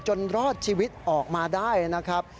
รอดชีวิตออกมาได้นะครับ